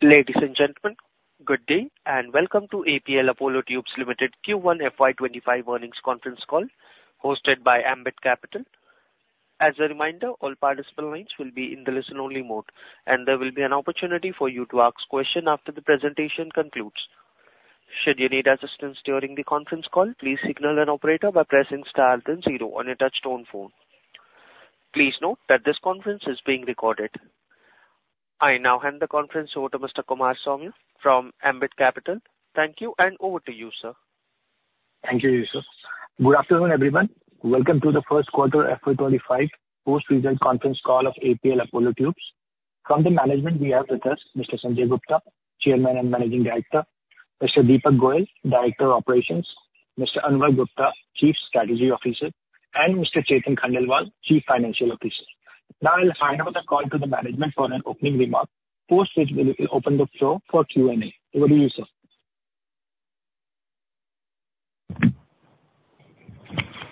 Ladies and gentlemen, good day, and welcome to APL Apollo Tubes Limited Q1 FY 2025 earnings conference call, hosted by Ambit Capital. As a reminder, all participant lines will be in the listen-only mode, and there will be an opportunity for you to ask question after the presentation concludes. Should you need assistance during the conference call, please signal an operator by pressing star then zero on your touchtone phone. Please note that this conference is being recorded. I now hand the conference over to Mr. Kumar Saumya from Ambit Capital. Thank you, and over to you, sir. Thank you, Yusuf. Good afternoon, everyone. Welcome to the first quarter FY 2025 post-season conference call of APL Apollo Tubes. From the management, we have with us Mr. Sanjay Gupta, Chairman and Managing Director, Mr. Deepak Goyal, Director of Operations, Mr. Anubhav Gupta, Chief Strategy Officer, and Mr. Chetan Khandelwal, Chief Financial Officer. Now, I'll hand over the call to the management for an opening remark, post which we will open the floor for Q&A. Over to you, sir.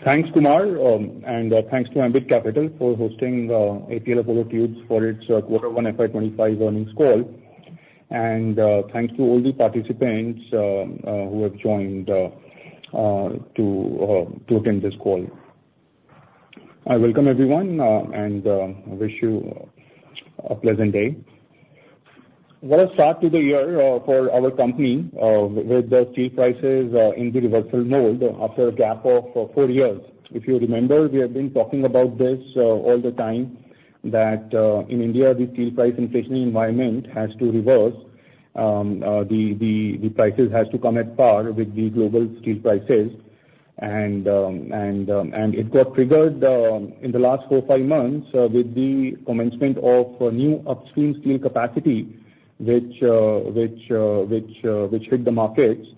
Thanks, Kumar, and thanks to Ambit Capital for hosting APL Apollo Tubes for its quarter one FY 2025 earnings call. And thanks to all the participants who have joined to attend this call. I welcome everyone and wish you a pleasant day. What a start to the year for our company with the steel prices in the reversal mode after a gap of four years. If you remember, we have been talking about this all the time, that in India, the steel price inflation environment has to reverse. The prices has to come at par with the global steel prices. It got triggered in the last 4-5 months with the commencement of new upstream steel capacity, which hit the markets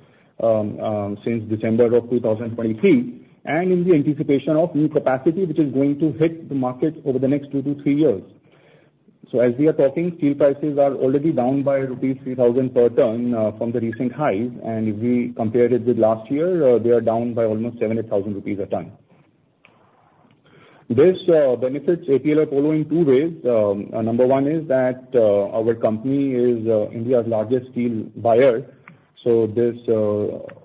since December of 2023, and in the anticipation of new capacity, which is going to hit the market over the next 2-3 years. As we are talking, steel prices are already down by rupees 3,000 per ton from the recent highs, and if we compare it with last year, they are down by almost 700 or 1,000 rupees a ton. This benefits APL Apollo in two ways. Number one is that our company is India's largest steel buyer, so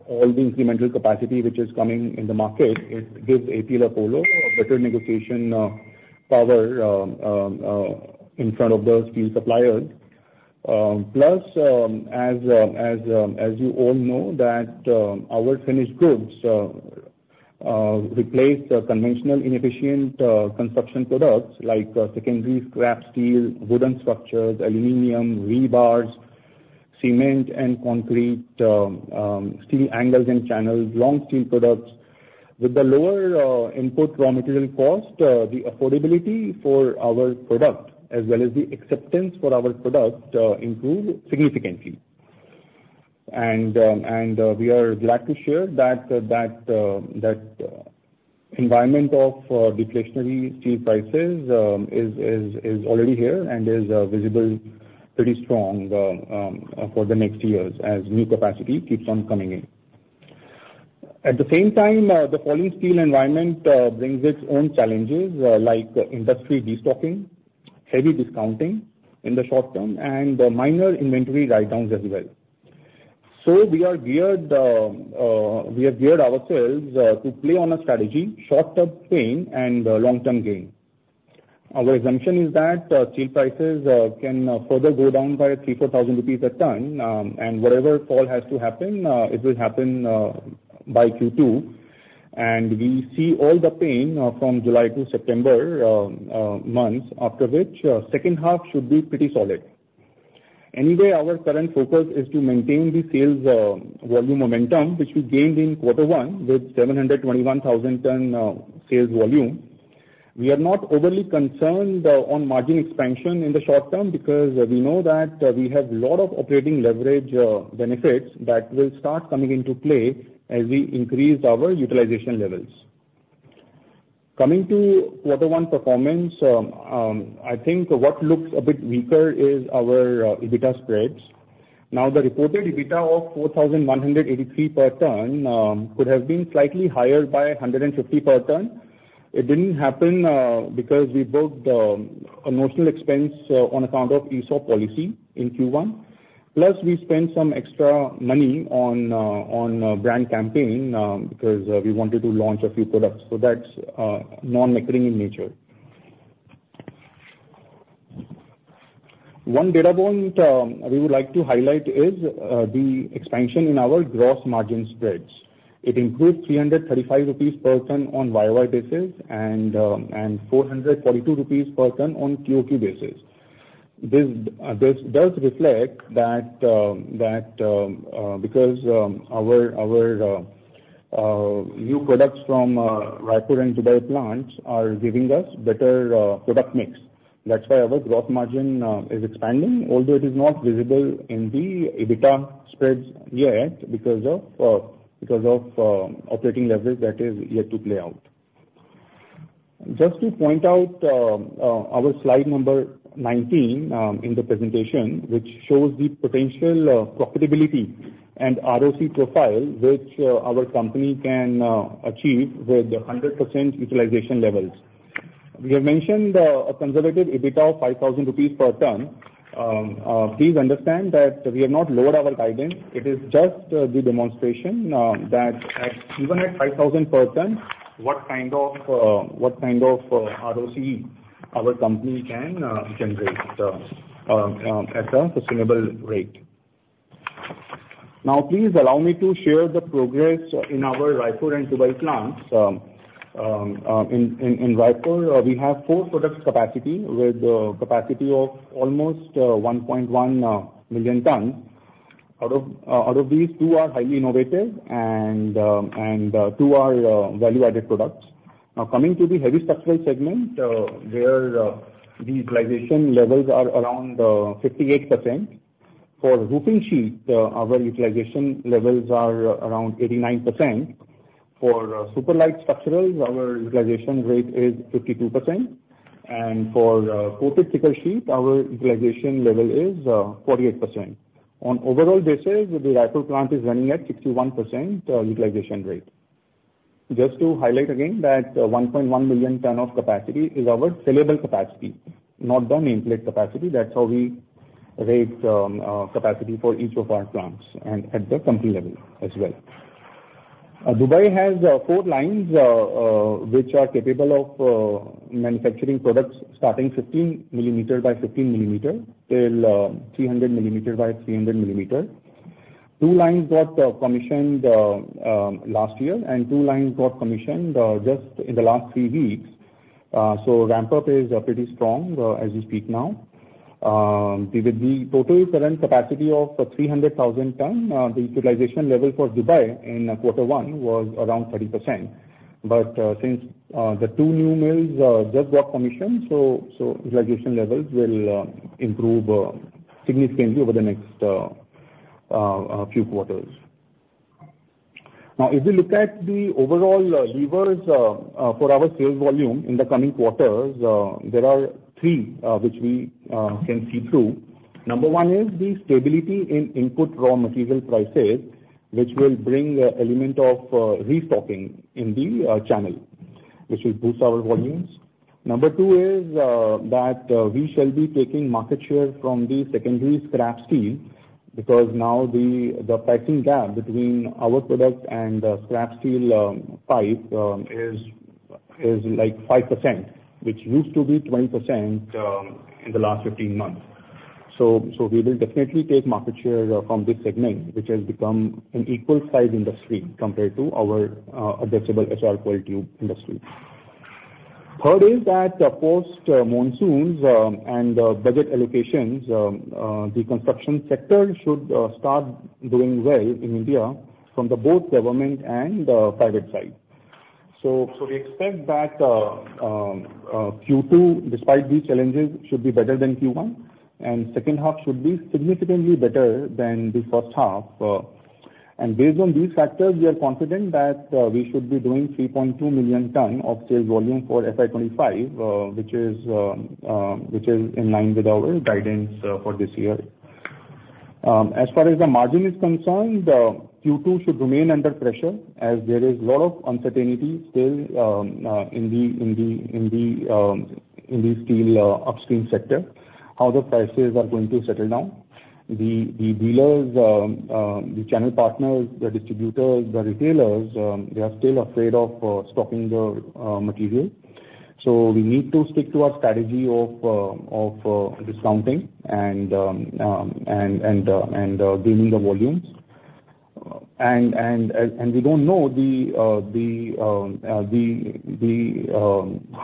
all the incremental capacity which is coming in the market gives APL Apollo a better negotiation power in front of the steel suppliers. Plus, as you all know that our finished goods replace the conventional inefficient construction products like secondary scrap steel, wooden structures, aluminum, rebars, cement and concrete, steel angles and channels, long steel products. With the lower input raw material cost, the affordability for our product as well as the acceptance for our product improved significantly. We are glad to share that environment of deflationary steel prices is already here and is visible pretty strong for the next years as new capacity keeps on coming in. At the same time, the falling steel environment brings its own challenges like industry destocking, heavy discounting in the short term, and minor inventory write-downs as well. So we are geared, we have geared ourselves to play on a strategy, short-term pain and long-term gain. Our assumption is that steel prices can further go down by 3,000-4,000 rupees a ton, and whatever fall has to happen, it will happen by Q2. We see all the pain from July to September months, after which second half should be pretty solid. Anyway, our current focus is to maintain the sales volume momentum, which we gained in quarter one with 721,000 ton sales volume. We are not overly concerned on margin expansion in the short term because we know that we have a lot of operating leverage benefits that will start coming into play as we increase our utilization levels. Coming to quarter one performance, I think what looks a bit weaker is our EBITDA spreads. Now, the reported EBITDA of 4,183 per ton could have been slightly higher by 150 per ton. It didn't happen because we booked a notional expense on account of ESOP policy in Q1. Plus, we spent some extra money on a brand campaign because we wanted to launch a few products. So that's non-recurring in nature. One data point we would like to highlight is the expansion in our gross margin spreads. It improved 335 rupees per ton on year-over-year basis and 442 rupees per ton on quarter-over-quarter basis. This does reflect that because our new products from Raipur and Jebel Ali plants are giving us better product mix. That's why our growth margin is expanding, although it is not visible in the EBITDA spreads yet because of operating leverage that is yet to play out. Just to point out, our slide number 19 in the presentation, which shows the potential profitability and ROC profile, which our company can achieve with 100% utilization levels. We have mentioned a consolidated EBITDA of 5,000 rupees per ton. Please understand that we have not lowered our guidance. It is just the demonstration that at even at 5,000 per ton, what kind of ROC our company can generate at a sustainable rate. Now, please allow me to share the progress in our Raipur and Dubai plants. In Raipur, we have four products capacity, with a capacity of almost 1.1 million ton. Out of these, two are highly innovative and two are value-added products. Now, coming to the heavy structural segment, where the utilization levels are around 58%. For roofing sheet, our utilization levels are around 89%. For super light structurals, our utilization rate is 52%. And for coated thicker sheet, our utilization level is 48%. On overall basis, the Raipur plant is running at 61% utilization rate. Just to highlight again that 1.1 million ton of capacity is our sellable capacity, not the nameplate capacity. That's how we rate capacity for each of our plants and at the company level as well. Dubai has four lines which are capable of manufacturing products starting 15 mm by 15 mm till 300 mm by 300 mm. Two lines got commissioned last year, and two lines got commissioned just in the last 3 weeks. So ramp up is pretty strong as we speak now. With the total current capacity of 300,000 ton, the utilization level for Dubai in quarter one was around 30%. But since the two new mills just got commissioned, so utilization levels will improve significantly over the next few quarters. Now, if you look at the overall levers for our sales volume in the coming quarters, there are three which we can see through. Number one is the stability in input raw material prices, which will bring an element of restocking in the channel, which will boost our volumes. Number two is that we shall be taking market share from the secondary scrap steel, because now the pricing gap between our product and scrap steel pipe is like 5%, which used to be 20% in the last 15 months. So we will definitely take market share from this segment, which has become an equal size industry compared to our addressable HR quality industry. Third is that, post monsoons and budget allocations, the construction sector should start doing well in India from both the government and private side. So we expect that Q2, despite these challenges, should be better than Q1, and second half should be significantly better than the first half. And based on these factors, we are confident that we should be doing 3.2 million ton of sales volume for FY 2025, which is in line with our guidance for this year. As far as the margin is concerned, Q2 should remain under pressure as there is a lot of uncertainty still in the steel upstream sector, how the prices are going to settle down. The dealers, the channel partners, the distributors, the retailers, they are still afraid of stopping the material. So we need to stick to our strategy of discounting and gaining the volumes. And we don't know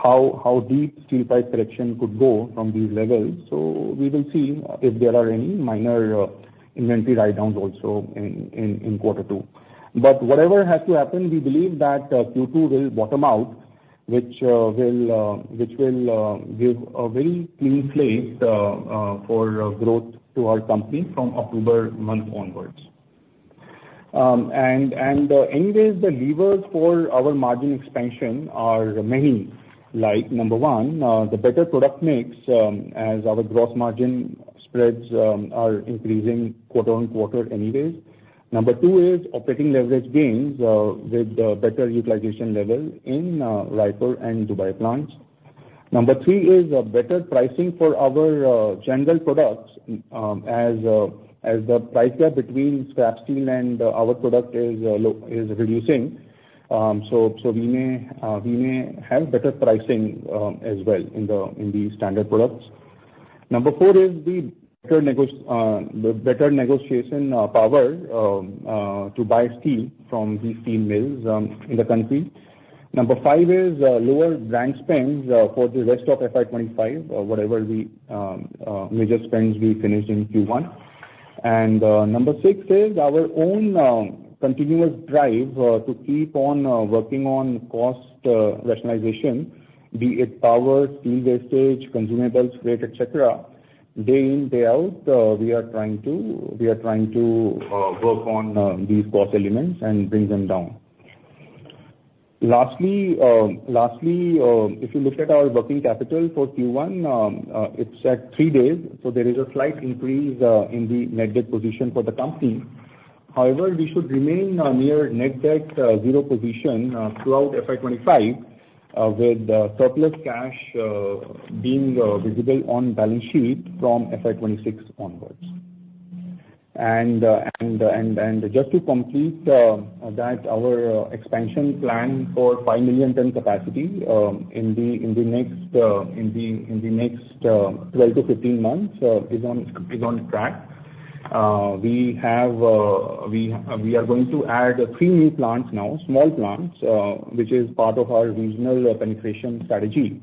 how deep steel pipe correction could go from these levels. So we will see if there are any minor inventory write-downs also in quarter two. But whatever has to happen, we believe that Q2 will bottom out, which will give a very clean slate for growth to our company from October month onwards. And anyways, the levers for our margin expansion are many. Like, number 1, the better product mix, as our gross margin spreads are increasing quarter on quarter anyways. Number 2 is operating leverage gains, with better utilization level in Raipur and Dubai plants. Number 3 is better pricing for our general products, as the price gap between scrap steel and our product is reducing. So we may have better pricing as well in the standard products. Number 4 is the better negotiation power to buy steel from the steel mills in the country. Number 5 is lower brand spends for the rest of FY 2025, whatever major spends we finished in Q1. Number six is our own continuous drive to keep on working on cost rationalization, be it power, steel wastage, consumables, freight, et cetera. Day in, day out, we are trying to work on these cost elements and bring them down. Lastly, if you look at our working capital for Q1, it's at three days, so there is a slight increase in the net debt position for the company. However, we should remain near net debt zero position throughout FY 2025, with surplus cash being visible on balance sheet from FY 2026 onwards. Just to complete that our expansion plan for 5 million ton capacity in the next 12-15 months is on track. We are going to add 3 new plants now, small plants, which is part of our regional penetration strategy.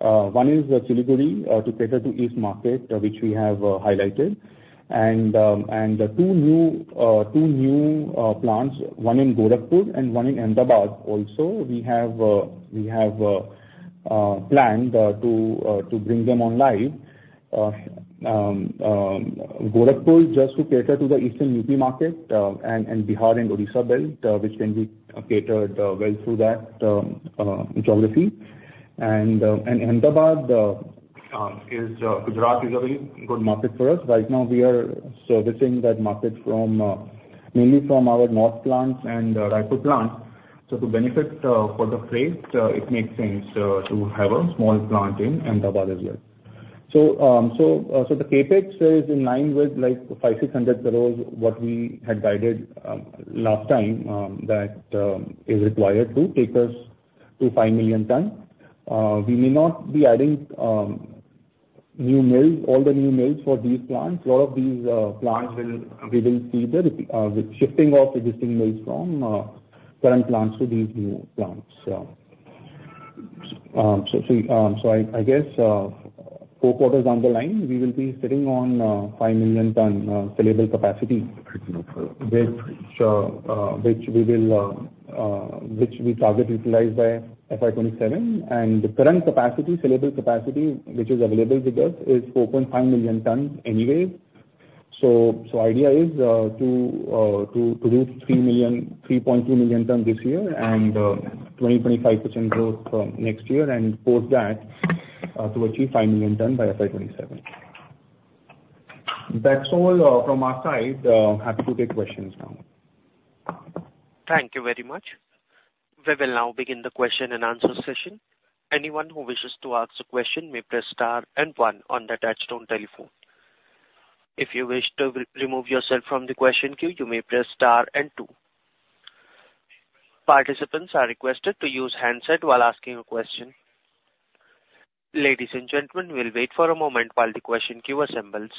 One is Siliguri to cater to east market, which we have highlighted. And the two new plants, one in Gorakhpur and one in Ahmedabad also, we have planned to bring them online. Gorakhpur, just to cater to the eastern UP market and Bihar and Odisha belt, which can be catered well through that geography. Ahmedabad is. Gujarat is a very good market for us. Right now, we are servicing that market mainly from our north plants and Raipur plant. So to benefit for the freight, it makes sense to have a small plant in Ahmedabad as well. So the CapEx is in line with like 500-600 crores, what we had guided last time, that is required to take us to 5 million ton. We may not be adding new mills, all the new mills for these plants. A lot of these plants will be achieved with shifting of existing mills from current plants to these new plants. So, I guess, four quarters down the line, we will be sitting on 5 million ton sellable capacity, which we target utilize by FY 2027. And the current capacity, sellable capacity, which is available with us, is 4.5 million tons anyway. So idea is to do 3 million-3.2 million ton this year and 25% growth next year, and post that, to achieve 5 million ton by FY 2027. That's all from our side. Happy to take questions now. Thank you very much. We will now begin the question-and-answer session. Anyone who wishes to ask a question may press star and one on the touchtone telephone. If you wish to remove yourself from the question queue, you may press star and two. Participants are requested to use handset while asking a question. Ladies and gentlemen, we'll wait for a moment while the question queue assembles.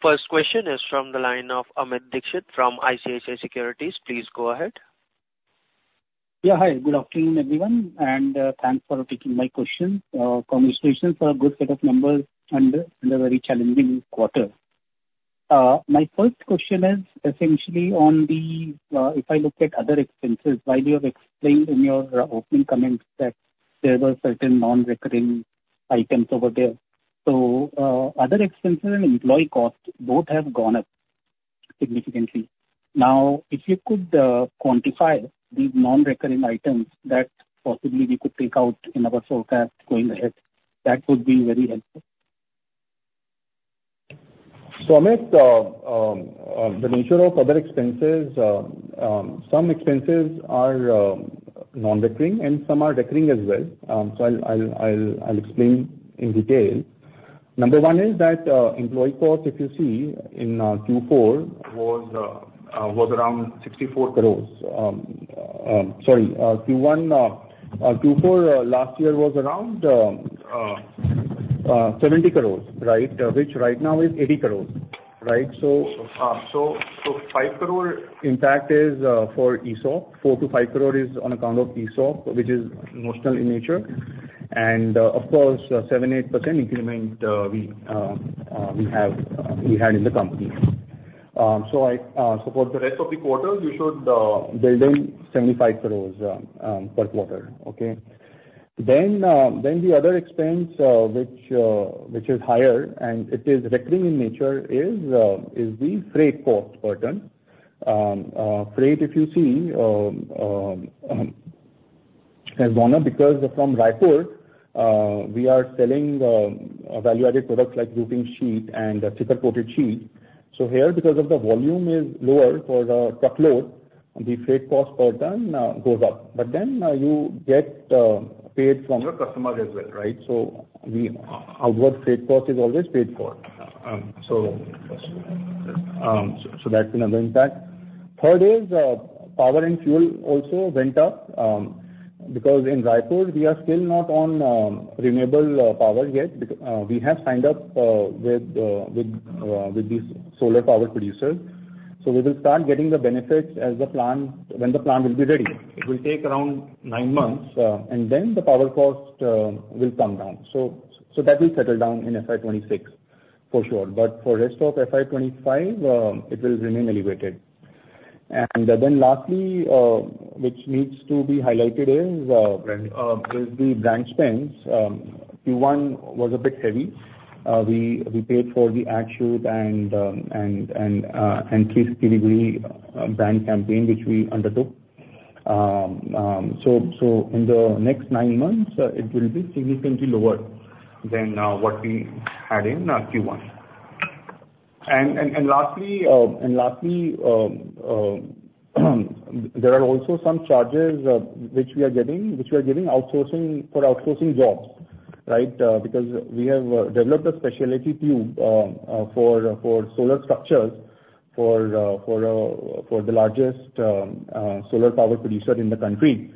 First question is from the line of Amit Dixit from ICICI Securities. Please go ahead. Yeah, hi. Good afternoon, everyone, and thanks for taking my question. Congratulations for a good set of numbers under a very challenging quarter. My first question is essentially on the if I look at other expenses, while you have explained in your opening comments that there were certain non-recurring items over there, so other expenses and employee costs both have gone up significantly. Now, if you could quantify these non-recurring items that possibly we could take out in our forecast going ahead, that would be very helpful. So Amit, the nature of other expenses, some expenses are, non-recurring and some are recurring as well. So I'll explain in detail. Number one is that, employee costs, if you see in, Q4, was, was around 64 crore. Sorry, Q1, Q4 last year was around, 70 crores, right? Which right now is 80 crores, right? So, so, so 5 crore, in fact, is, for ESOP. 4-5 crore is on account of ESOP, which is notional in nature. And, of course, 7-8% increment, we, we had in the company. So I, so for the rest of the quarter, you should, build in 75 crores, per quarter, okay? Then the other expense, which is higher and it is recurring in nature, is the freight cost per ton. Freight, if you see, has gone up because from Raipur, we are selling value-added products like roofing sheet and thicker coated sheet. So here, because of the volume is lower for the truckload, the freight cost per ton goes up. But then, you get paid from your customers as well, right? So outward freight cost is always paid for. So that's another impact. Third is power and fuel also went up, because in Raipur, we are still not on renewable power yet. We have signed up with the solar power producers. So we will start getting the benefits when the plant will be ready. It will take around 9 months, and then the power cost will come down. So that will settle down in FY 2026, for sure. But for rest of FY 2025, it will remain elevated. And then lastly, which needs to be highlighted is the brand spends. Q1 was a bit heavy. We paid for the ad shoot and Siliguri brand campaign, which we undertook. So in the next 9 months, it will be significantly lower than what we had in Q1. And lastly, there are also some charges which we are getting, which we are giving outsourcing for outsourcing jobs, right? Because we have developed a specialty tube for solar structures for the largest solar power producer in the country.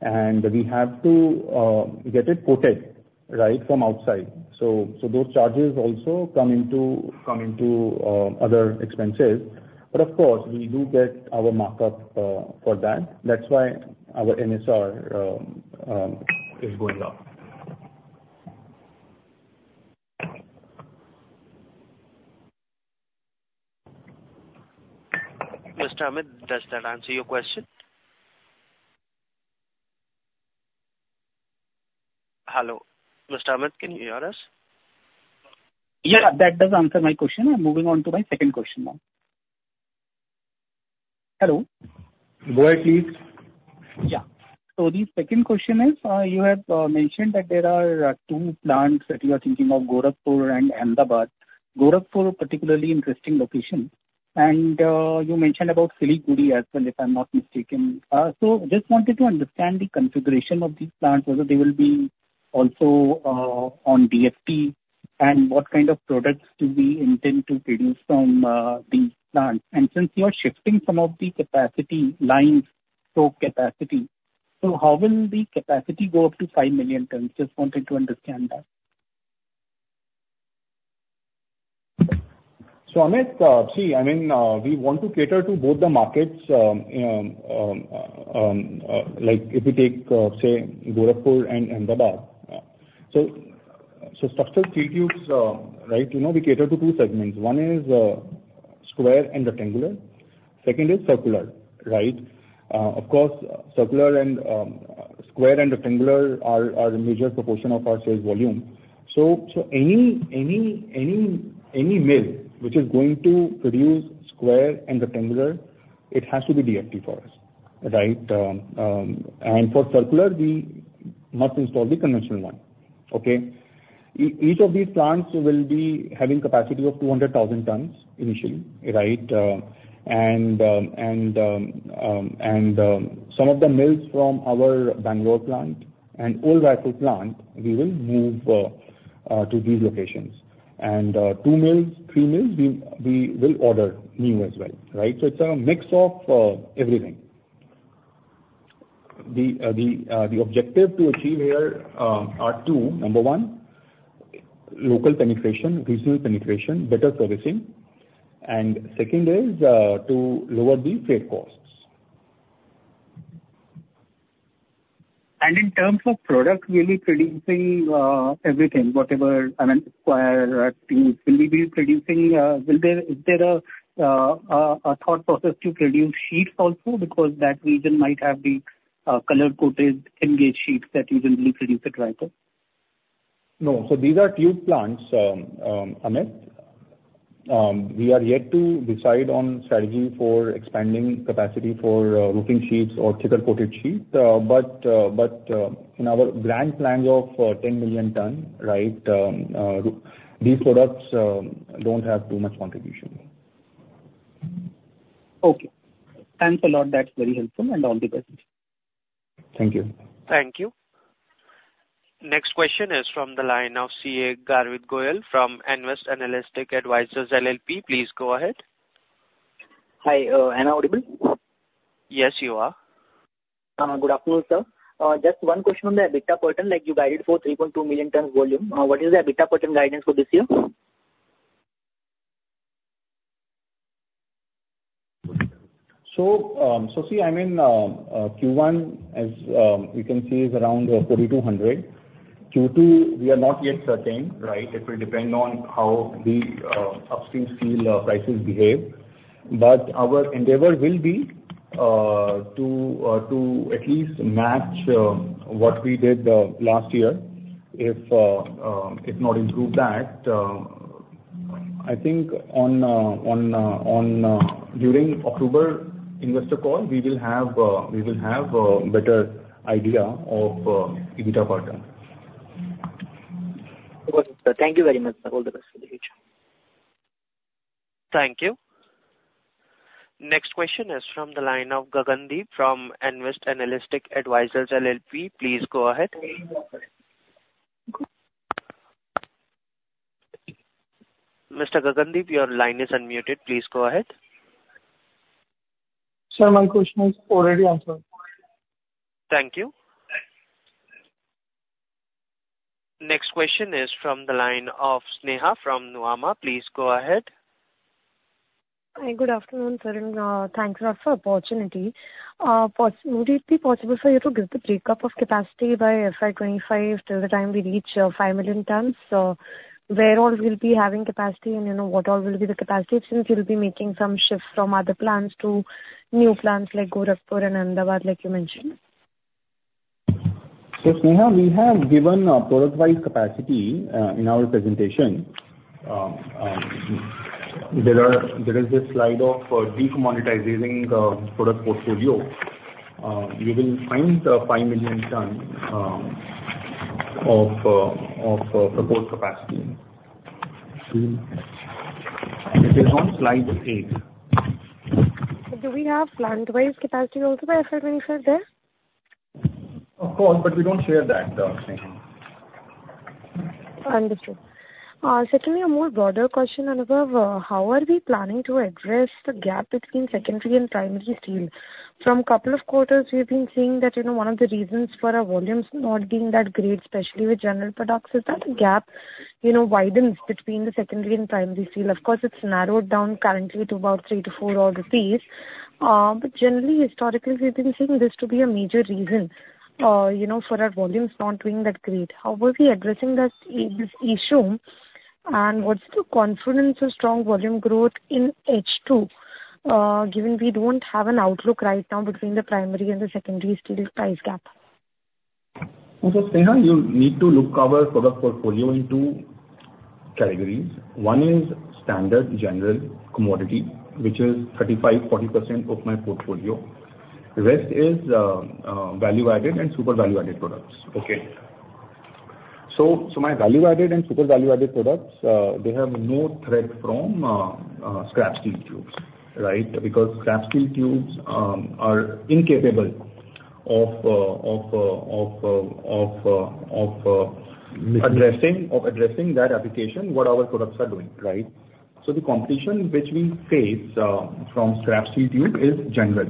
And we have to get it coated, right, from outside. So those charges also come into other expenses. But of course, we do get our markup for that. That's why our NSR is going up. Mr. Amit, does that answer your question? Hello, Mr. Amit, can you hear us? Yeah, that does answer my question. I'm moving on to my second question now. Hello. Go ahead, please. Yeah. So the second question is, you have mentioned that there are two plants that you are thinking of, Gorakhpur and Ahmedabad. Gorakhpur, a particularly interesting location, and you mentioned about Siliguri as well, if I'm not mistaken. So just wanted to understand the configuration of these plants, whether they will be also on DFT, and what kind of products do we intend to produce from these plants? And since you are shifting some of the capacity lines to capacity, so how will the capacity go up to 5 million tons? Just wanted to understand that. So, Amit, see, I mean, we want to cater to both the markets, like if you take, say, Gorakhpur and Ahmedabad. So, structural steel tubes, right, you know, we cater to two segments. One is, square and rectangular. Second is circular, right? Of course, circular and, square and rectangular are, are a major proportion of our sales volume. So, any mill which is going to produce square and rectangular, it has to be DFT for us, right? And for circular, we must install the conventional one. Okay? Each of these plants will be having capacity of 200,000 tons initially, right? And, some of the mills from our Bangalore plant and Raipur plant, we will move to these locations. And two mills, three mills, we will order new as well, right? So it's a mix of everything. The objective to achieve here are two. Number one, local penetration, regional penetration, better servicing. And second is to lower the freight costs. In terms of product, will you be producing everything, whatever, I mean, square tubes? Is there a thought process to produce sheets also? Because that region might have the color-coated engaged sheets that you will be producing, right, sir? No. So these are tube plants, Amit. We are yet to decide on strategy for expanding capacity for roofing sheets or thicker coated sheets. But in our grand plan of 10 million ton, right, these products don't have too much contribution. Okay. Thanks a lot. That's very helpful, and all the best. Thank you. Thank you. Next question is from the line of CA Garvit Goyal from Nvest Analytic Advisors LLP. Please go ahead. Hi, am I audible? Yes, you are. Good afternoon, sir. Just one question on the EBITDA quarter, like, you guided for 3.2 million tons volume. What is the EBITDA quarter guidance for this year? So, see, I mean, Q1, as you can see, is around 4,200. Q2, we are not yet certain, right? It will depend on how the upstream steel prices behave. But our endeavor will be to at least match what we did last year, if not improve that. I think during October investor call, we will have a better idea of EBITDA quarter. Thank you very much. All the best for the future. Thank you. Next question is from the line of Gagandeep from Nvest Analytic Advisors LLP. Please go ahead. Mr. Gagandeep, your line is unmuted. Please go ahead. Sir, my question is already answered. Thank you. Next question is from the line of Sneha from Nuvama. Please go ahead. Hi. Good afternoon, sir, and thanks a lot for the opportunity. Would it be possible for you to give the breakup of capacity by FY 2025 till the time we reach 5 million tons? Where all we'll be having capacity, and, you know, what all will be the capacity, since you'll be making some shifts from other plants to new plants like Gorakhpur and Ahmedabad, like you mentioned? ... So Sneha, we have given a product-wise capacity in our presentation. There is this slide of decommoditizing product portfolio. You will find the 5 million ton of the total capacity. It is on slide eight. Do we have plant-wise capacity also by accident, sir, there? Of course, but we don't share that, Sneha. Understood. Secondly, a more broader question, Anubhav. How are we planning to address the gap between secondary and primary steel? From a couple of quarters, we've been seeing that, you know, one of the reasons for our volumes not being that great, especially with general products, is that the gap, you know, widens between the secondary and primary steel. Of course, it's narrowed down currently to about 3-4 odd rupees. But generally, historically, we've been seeing this to be a major reason, you know, for our volumes not doing that great. How are we addressing this, this issue, and what's the confidence of strong volume growth in H2, given we don't have an outlook right now between the primary and the secondary steel price gap? So Sneha, you need to look our product portfolio in two categories. One is standard general commodity, which is 35%-40% of my portfolio. The rest is value-added and super value-added products. Okay. So my value-added and super value-added products, they have no threat from scrap steel tubes, right? Because scrap steel tubes are incapable of addressing that application, what our products are doing, right? So the competition which we face from scrap steel tube is general,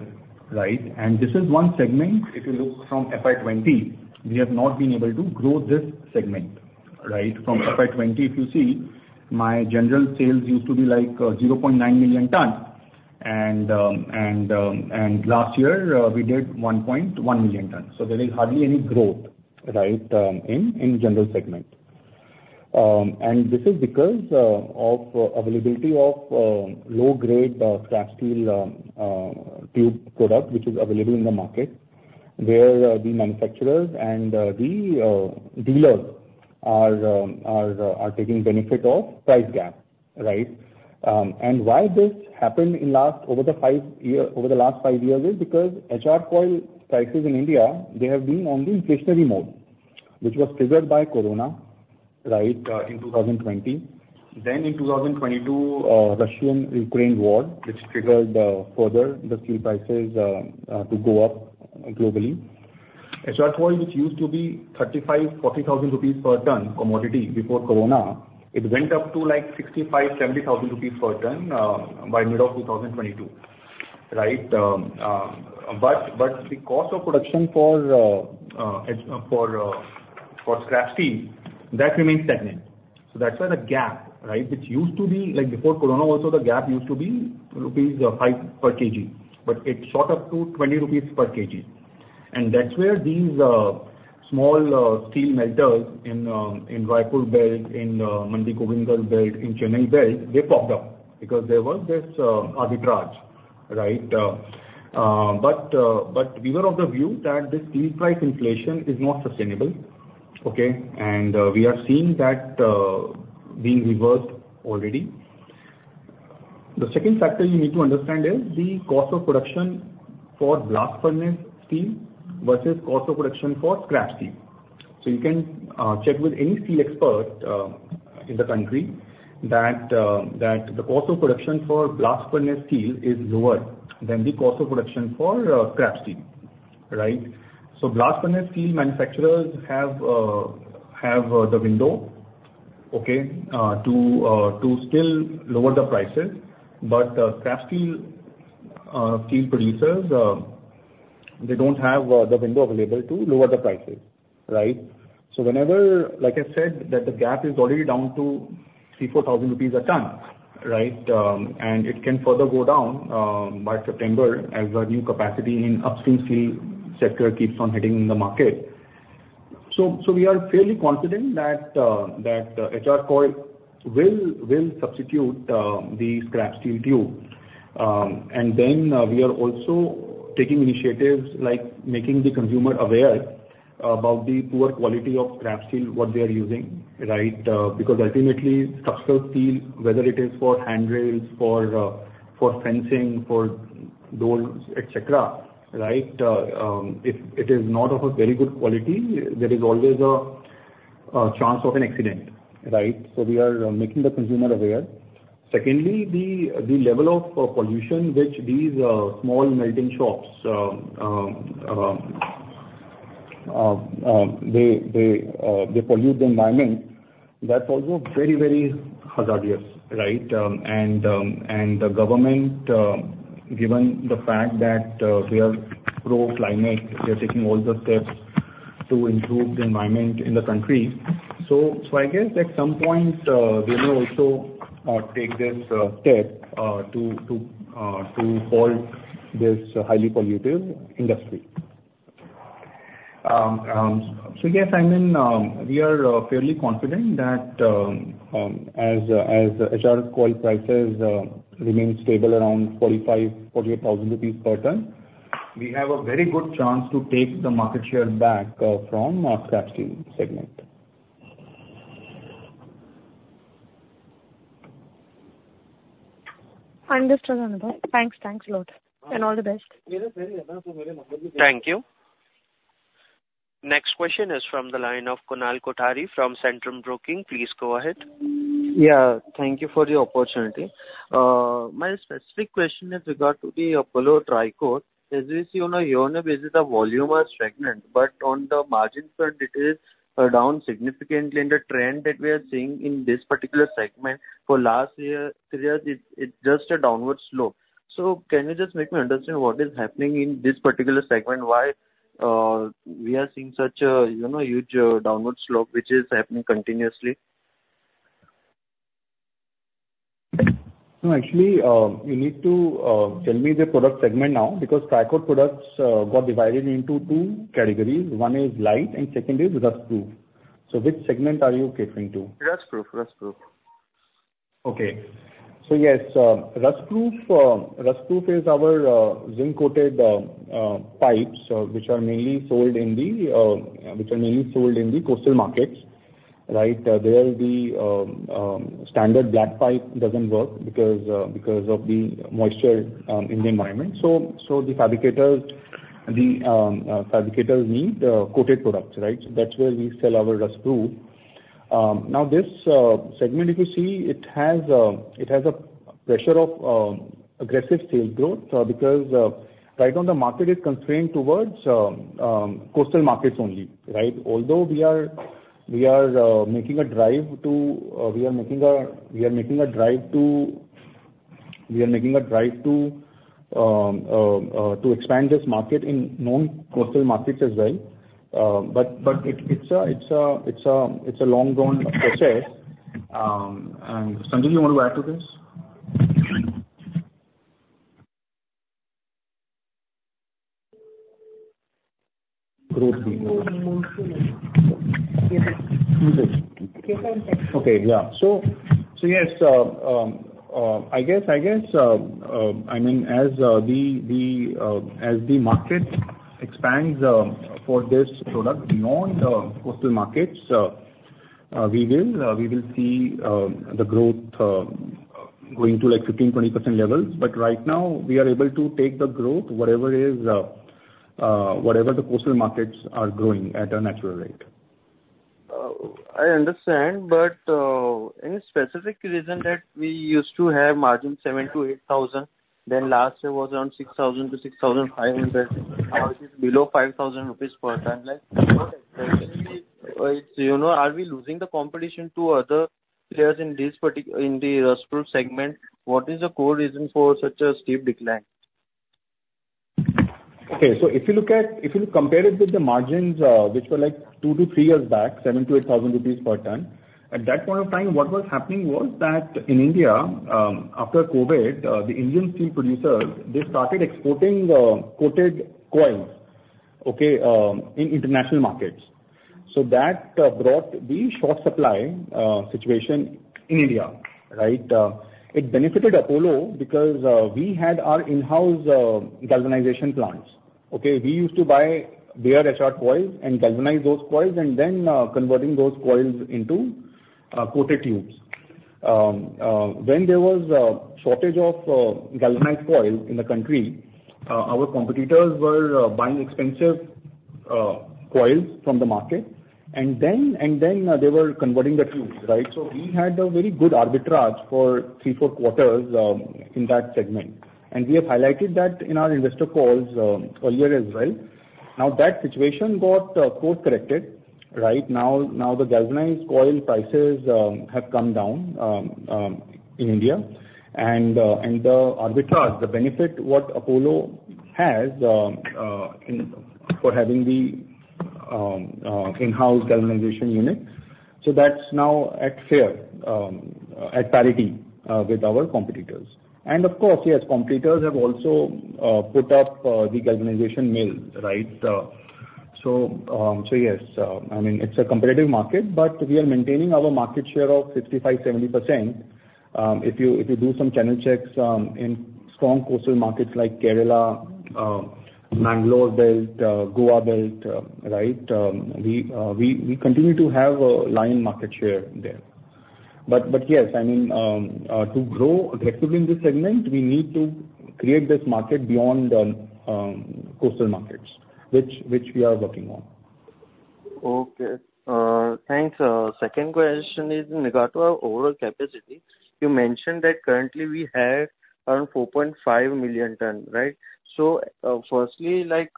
right? And this is one segment, if you look from FY 2020, we have not been able to grow this segment, right. From FY 2020, if you see, my general sales used to be like 0.9 million tons. Last year, we did 1.1 million tons. So there is hardly any growth, right, in general segment. And this is because of availability of low-grade scrap steel tube product, which is available in the market, where the manufacturers and the dealers are taking benefit of price gap, right? And why this happened over the last five years is because HR coil prices in India, they have been on the inflationary mode, which was triggered by Corona, right, in 2020. Then in 2022, Russian-Ukraine war, which triggered further the steel prices to go up globally. HR Coil, which used to be 35,000-40,000 rupees per ton commodity before Corona, it went up to like 65,000-70,000 rupees per ton by mid of 2022, right? But the cost of production for scrap steel that remains stagnant. So that's why the gap, right? Which used to be like before Corona also, the gap used to be rupees 5 per kg, but it shot up to 20 rupees per kg. And that's where these small steel melters in Raipur belt, in Mandi Gobindgarh belt, in Chennai belt, they popped up because there was this arbitrage, right? But we were of the view that this steel price inflation is not sustainable, okay? And we are seeing that being reversed already. The second factor you need to understand is the cost of production for blast furnace steel versus cost of production for scrap steel. So you can check with any steel expert in the country that the cost of production for blast furnace steel is lower than the cost of production for scrap steel, right? So blast furnace steel manufacturers have the window, okay, to still lower the prices. But scrap steel producers they don't have the window available to lower the prices, right? So whenever... Like I said, that the gap is already down to 3,000-4,000 rupees a ton, right? And it can further go down by September as the new capacity in upstream steel sector keeps on hitting the market. So we are fairly confident that HR coil will substitute the scrap steel tube. And then we are also taking initiatives like making the consumer aware about the poor quality of scrap steel, what they are using, right? Because ultimately, structural steel, whether it is for handrails, for fencing, for doors, et cetera, right, if it is not of a very good quality, there is always a chance of an accident, right? So we are making the consumer aware. Secondly, the level of pollution which these small melting shops, they pollute the environment, that's also very, very hazardous, right? And the government, given the fact that we are pro-climate, we are taking all the steps to improve the environment in the country. So, I guess at some point, they may also take this step to halt this highly polluting industry. So yes, I mean, we are fairly confident that as HR coil prices remain stable around 45,000-48,000 rupees per ton, we have a very good chance to take the market share back from scrap steel segment.... Understood, Anup. Thanks, thanks a lot, and all the best. Thank you. Next question is from the line of Kunal Kothari from Centrum Broking. Please go ahead. Yeah, thank you for the opportunity. My specific question is regard to the Apollo Tricoat. As we see on a year-on-year basis, the volume are stagnant, but on the margin front, it is down significantly, and the trend that we are seeing in this particular segment for last year, three years, it, it's just a downward slope. So can you just make me understand what is happening in this particular segment? Why we are seeing such a, you know, huge downward slope which is happening continuously? No, actually, you need to tell me the product segment now because Tricoat products got divided into two categories. One is light and second is rustproof. So which segment are you referring to? Rustproof, rustproof. Okay. So yes, rustproof is our zinc-coated pipes, which are mainly sold in the coastal markets, right? There, the standard black pipe doesn't work because of the moisture in the environment. So the fabricators need coated products, right? So that's where we sell our rustproof. Now, this segment, if you see, it has a pressure of aggressive sales growth, because right now, the market is constrained towards coastal markets only, right? Although we are making a drive to expand this market in non-coastal markets as well. But it's a long gone process. And Sanjay, you want to add to this? Growth. Okay, yeah. So yes, I guess I mean, as the market expands for this product beyond coastal markets, we will see the growth going to, like, 15-20% levels. But right now, we are able to take the growth whatever is whatever the coastal markets are growing at a natural rate. I understand, but, any specific reason that we used to have margin 7,000-8,000, then last year was around 6,000-6,500, now it is below 5,000 rupees per ton, like, it's, you know, are we losing the competition to other players in this in the rustproof segment? What is the core reason for such a steep decline? Okay. So if you look at, if you compare it with the margins, which were, like, 2-3 years back, 7,000-8,000 rupees per ton, at that point of time, what was happening was that in India, after COVID, the Indian steel producers, they started exporting coated coils, okay, in international markets. So that brought the short supply situation in India, right? It benefited Apollo because we had our in-house galvanization plants, okay? We used to buy bare HR coils and galvanize those coils and then converting those coils into coated tubes. When there was a shortage of galvanized coil in the country, our competitors were buying expensive coils from the market, and then they were converting the tubes, right? So we had a very good arbitrage for 3-4 quarters in that segment, and we have highlighted that in our investor calls earlier as well. Now, that situation got course corrected. Right now, the galvanized coil prices have come down in India, and the arbitrage, the benefit what Apollo has in for having the in-house galvanization unit. So that's now at fair at parity with our competitors. And of course, yes, competitors have also put up the galvanization mill, right? So yes, I mean, it's a competitive market, but we are maintaining our market share of 55-70%. If you do some channel checks in strong coastal markets like Kerala, Bangalore belt, Goa belt, right, we continue to have a lion market share there. But yes, I mean, to grow aggressively in this segment, we need to create this market beyond the coastal markets, which we are working on. Okay. Thanks. Second question is in regard to our overall capacity. You mentioned that currently we have around 4.5 million ton, right? So, firstly, like,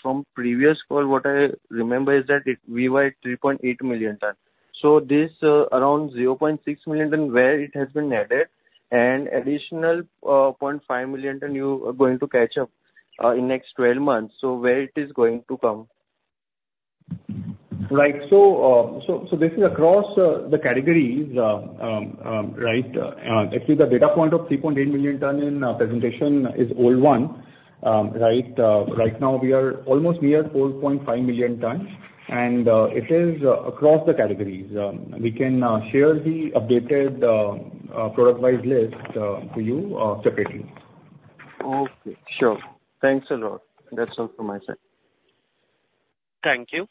from previous call, what I remember is that it, we were at 3.8 million ton. So this, around 0.6 million ton, where it has been added? And additional, point five million ton, you are going to catch up, in next 12 months, so where it is going to come? Right. So, this is across the categories, right? Actually, the data point of 3.8 million ton in presentation is old one, right? Right now, we are almost near 4.5 million tons, and it is across the categories. We can share the updated product-wise list to you separately. Okay, sure. Thanks a lot. That's all from my side. Thank you.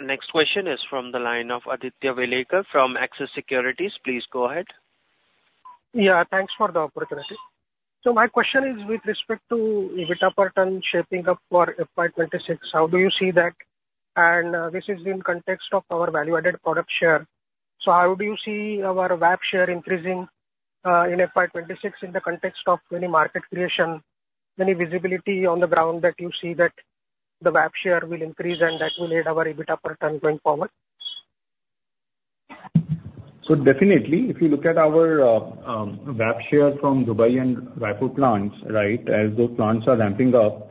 Next question is from the line of Aditya Welekar from Axis Securities. Please go ahead. Yeah, thanks for the opportunity. So my question is with respect to EBITDA per ton shaping up for FY 2026, how do you see that? And this is in context of our value-added product share. So how do you see our VAP share increasing in FY 2026, in the context of any market creation, any visibility on the ground that you see that the VAP share will increase and that will aid our EBITDA per ton going forward? So definitely, if you look at our VAP share from Dubai and Raipur plants, right? As those plants are ramping up,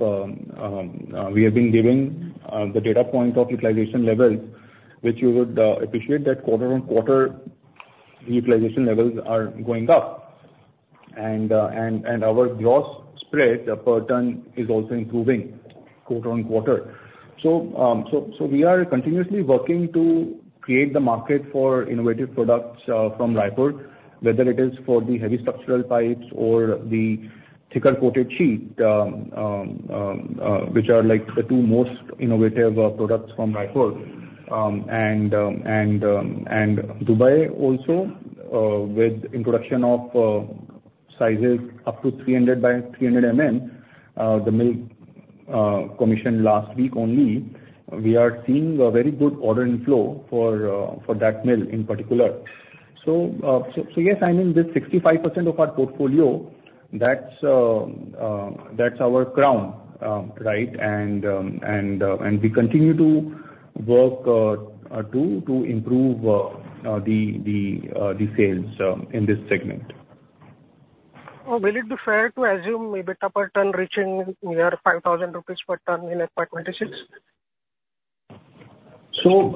we have been giving the data point of utilization levels, which you would appreciate that quarter-on-quarter utilization levels are going up. And our gross spread per ton is also improving quarter-on-quarter. So we are continuously working to create the market for innovative products from Raipur, whether it is for the heavy structural pipes or the thicker coated sheet, which are like the two most innovative products from Raipur. And Dubai also, with introduction of sizes up to 300 by 300 mm, the mill commissioned last week only, we are seeing a very good order inflow for that mill in particular. So yes, I mean, this 65% of our portfolio, that's our crown, right? And we continue to work to improve the sales in this segment. Will it be fair to assume EBITDA per ton reaching near 5,000 rupees per ton in FY 2026? So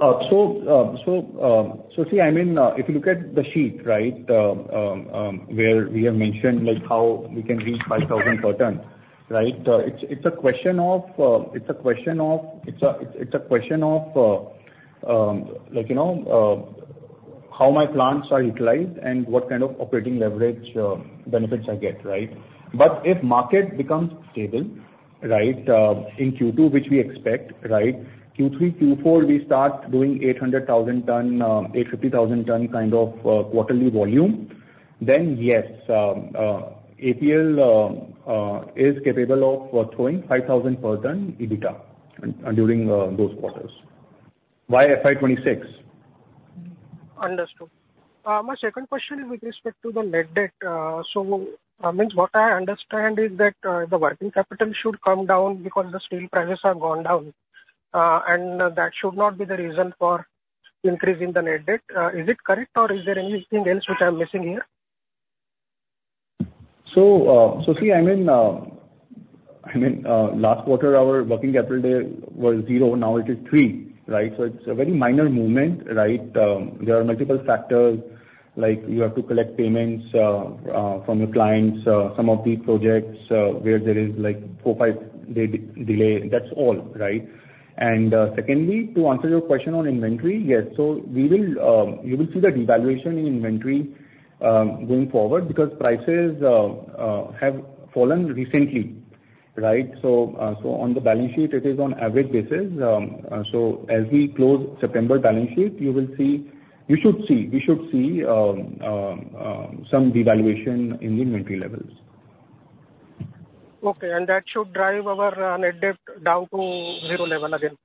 see, I mean, if you look at the sheet, right, where we have mentioned, like, how we can reach 5,000 per ton, right? It's a question of, like, you know, how my plants are utilized and what kind of operating leverage benefits I get, right? But if market becomes stable, right, in Q2, which we expect, right, Q3, Q4, we start doing 800,000 ton, 850,000 ton kind of quarterly volume, then yes, APL is capable of throwing 5,000 per ton EBITDA during those quarters. Why FY 2026? Understood. My second question with respect to the Net Debt. So, I mean, what I understand is that, the Working Capital should come down because the steel prices have gone down, and that should not be the reason for increase in the Net Debt. Is it correct, or is there anything else which I'm missing here? So, so see, I mean, I mean, last quarter, our working capital day was 0, now it is 3, right? So it's a very minor movement, right? There are multiple factors like you have to collect payments from your clients, some of the projects where there is, like, 4, 5-day delay. That's all, right? And, secondly, to answer your question on inventory, yes. So we will, you will see that devaluation in inventory going forward because prices have fallen recently, right? So, so on the balance sheet, it is on average basis. So as we close September balance sheet, you will see... You should see—we should see some devaluation in the inventory levels. Okay, and that should drive our net debt down to zero level again?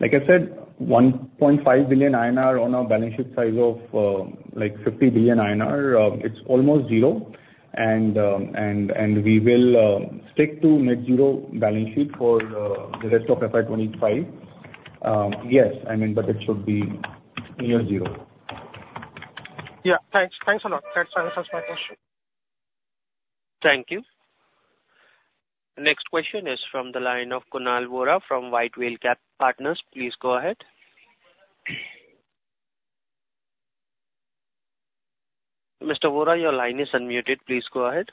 Like I said, 1.5 billion INR on our balance sheet size of, like 50 billion INR, it's almost zero. And we will stick to net zero balance sheet for the rest of FY 2025. Yes, I mean, but it should be near zero. Yeah. Thanks. Thanks a lot. That answers my question. Thank you. Next question is from the line of Kunal Vora from White Whale Partners. Please go ahead. Mr. Vora, your line is unmuted. Please go ahead.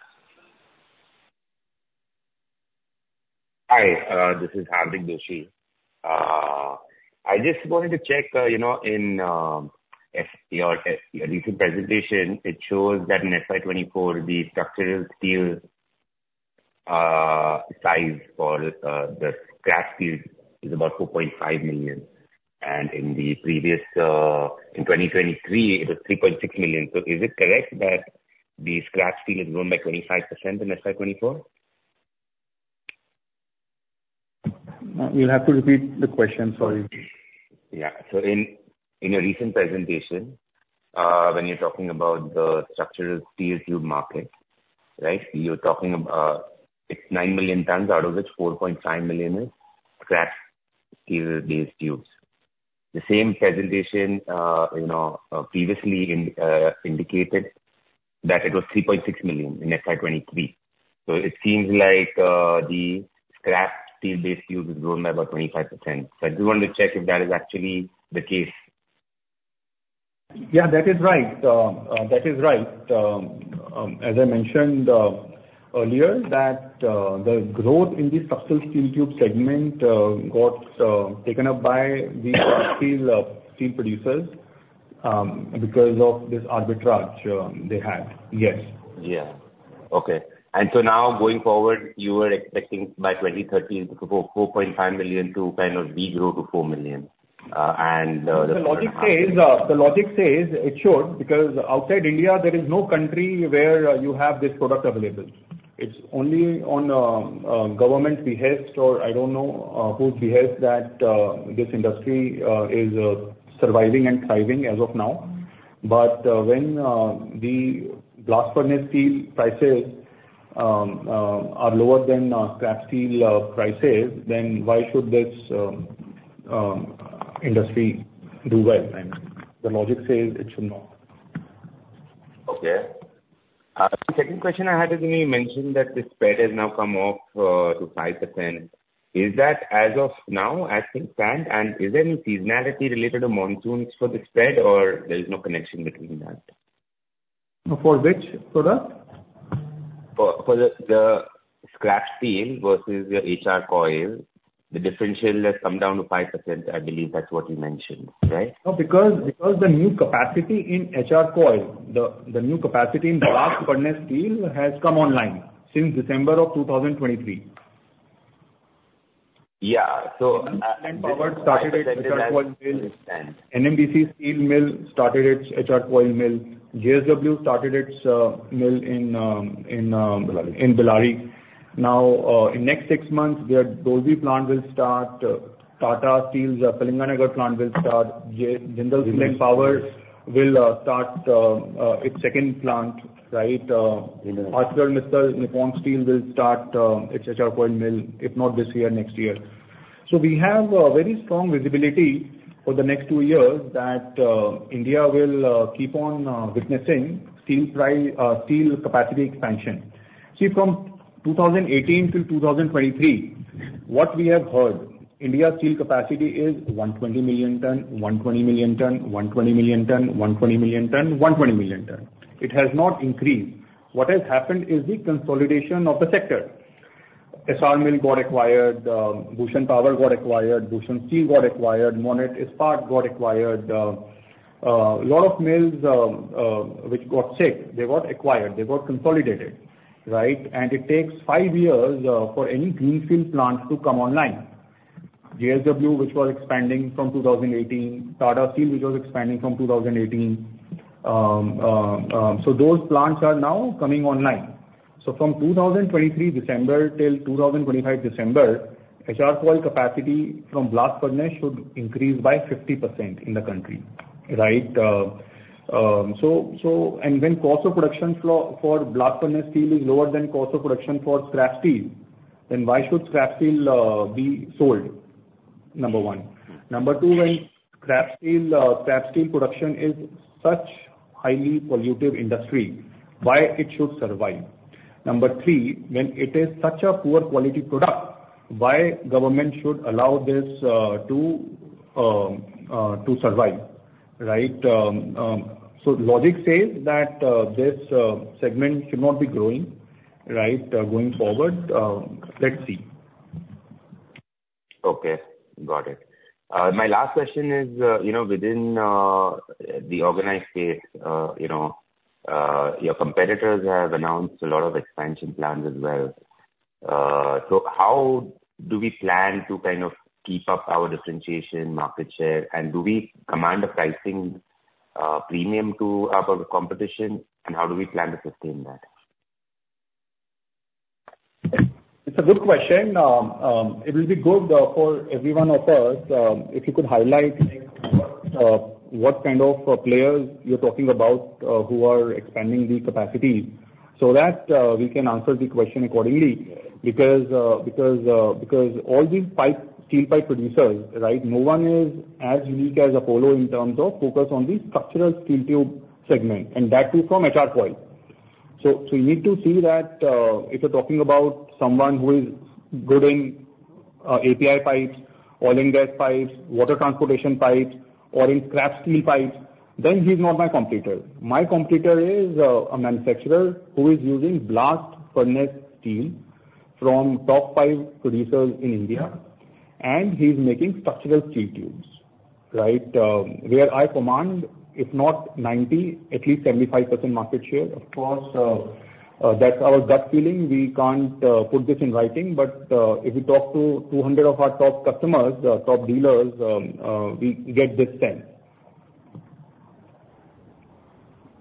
Hi, this is Hardik Doshi. I just wanted to check, you know, in your recent presentation, it shows that in FY 2024, the structural steel size for the scrap steel is about 4.5 million, and in the previous, in 2023, it was 3.6 million. So is it correct that the scrap steel has grown by 25% in FY 2024? You'll have to repeat the question. Sorry. Yeah. So in your recent presentation, when you're talking about the structural steel tube market, right? You're talking, it's 9,000,000 tons, out of which 4,500,000 is scrap steel-based tubes. The same presentation, you know, previously indicated that it was 3,600,000 in FY 2023. So it seems like, the scrap steel-based tubes has grown by about 25%. So I just wanted to check if that is actually the case. Yeah, that is right. As I mentioned earlier, the growth in the structural steel tube segment got taken up by the steel producers because of this arbitrage they had. Yes. Yeah. Okay. So now going forward, you are expecting by 2013, before 4.5 million to kind of de-grow to 4 million, and The logic says, the logic says it should, because outside India there is no country where you have this product available. It's only on government behest or I don't know, whose behest that this industry is surviving and thriving as of now. But when the blast furnace steel prices are lower than scrap steel prices, then why should this industry do well? And the logic says it should not. Okay. The second question I had is, when you mentioned that the spread has now come off to 5%, is that as of now, as it stands? And is there any seasonality related to monsoons for the spread or there is no connection between that? For which product? For the scrap steel versus your HR coil. The differential has come down to 5%. I believe that's what you mentioned, right? No, because the new capacity in HR coil, the new capacity in blast furnace steel has come online since December of 2023. Yeah, so- And started its HR Coil mill. NMDC Steel mill started its HR Coil mill. JSW started its mill in Bellary. Now, in next six months, their Dolvi plant will start, Tata Steel's Kalinganagar plant will start. Jindal Steel & Power will start its second plant, right? Mm-hmm. ArcelorMittal Nippon Steel will start its HR coil mill, if not this year, next year. So we have very strong visibility for the next two years that India will keep on witnessing steel price, steel capacity expansion. See, from 2018 till 2023, what we have heard, India's steel capacity is 120 million ton, 120 million ton, 120 million ton, 120 million ton, 120 million ton. It has not increased. What has happened is the consolidation of the sector. Essar Steel got acquired, Bhushan Power got acquired, Bhushan Steel got acquired, Monnet Ispat & Energy got acquired. Lot of mills, which got sick, they got acquired, they got consolidated, right? And it takes five years for any greenfield plant to come online. JSW, which was expanding from 2018, Tata Steel, which was expanding from 2018, so those plants are now coming online. So from December 2023 till December 2025, HR coil capacity from blast furnace should increase by 50% in the country, right? And when cost of production flow for blast furnace steel is lower than cost of production for scrap steel, then why should scrap steel be sold? Number one. Number two, when scrap steel production is such highly polluting industry, why it should survive? Number three, when it is such a poor quality product, why government should allow this to survive, right? So logic says that this segment should not be growing, right, going forward. Let's see. Okay, got it. My last question is, you know, within the organized space, you know, your competitors have announced a lot of expansion plans as well. So how do we plan to kind of keep up our differentiation, market share, and do we command a pricing premium to our competition, and how do we plan to sustain that? It's a good question. It will be good for every one of us if you could highlight what kind of players you're talking about who are expanding the capacity, so that we can answer the question accordingly. Because all these steel pipe producers, right, no one is as unique as Apollo in terms of focus on the structural steel tube segment, and that too, from HR coil. So we need to see that if you're talking about someone who is good in API pipes, oil and gas pipes, water transportation pipes or in scrap steel pipes, then he's not my competitor. My competitor is a manufacturer who is using blast furnace steel from top pipe producers in India, and he's making structural steel tubes, right? Where we command, if not 90, at least 75% market share. Of course, that's our gut feeling. We can't put this in writing, but if you talk to 200 of our top customers, top dealers, we get this sense.